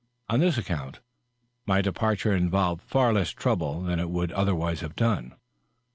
On this account my departure involved fer less trouble than it would otherwise have done.